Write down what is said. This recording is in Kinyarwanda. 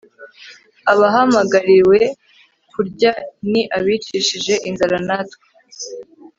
abahamagariwe kurya ni abicishije inzara natwe